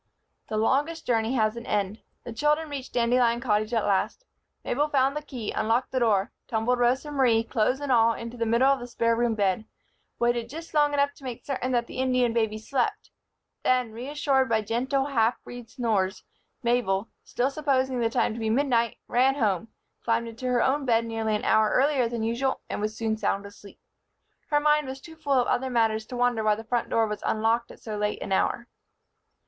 The longest journey has an end. The children reached Dandelion Cottage at last. Mabel found the key, unlocked the door, tumbled Rosa Marie, clothes and all, into the middle of the spare room bed; waited just long enough to make certain that the Indian baby slept; then, reassured by gentle, half breed snores, Mabel, still supposing the time to be midnight, ran home, climbed into her own bed nearly an hour earlier than usual and was soon sound asleep. Her mind was too full of other matters to wonder why the front door was unlocked at so late an hour.